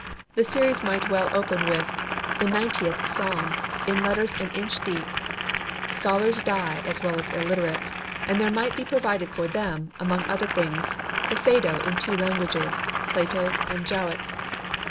The series might well open with "The Ninetieth Psalm" in letters an inch deep. Scholars die as well as illiterates, and there might be provided for them, among other things, The Phaedo in two languages, Plato's and Jowett's.